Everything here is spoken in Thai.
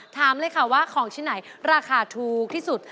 ถามเลยค่ะว่าของชิ้นไหนราคาถูกที่สุด